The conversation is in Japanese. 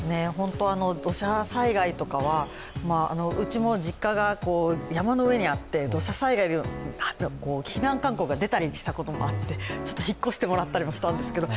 土砂災害とかは、うちも実家が山の上にあって、土砂災害、避難勧告が出たりしたこともあってちょっと引っ越してもらったりもしたんですけど